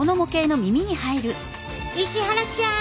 石原ちゃん